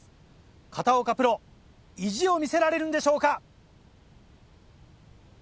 片岡プロ意地を見せられるんでしょうか？